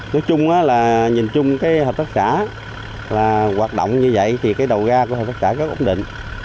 nói chung là nhìn chung cái hợp tác xã là hoạt động như vậy thì cái đầu ga của hợp tác xã rất ổn định